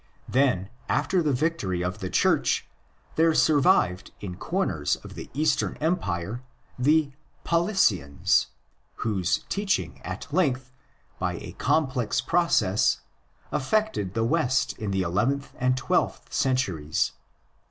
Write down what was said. Then, after the victory of the Church, there survived in corners of the Eastern Empire the Paulicians ;* whose teaching at length, by a complex process, affected the West in the eleventh and twelfth centuries.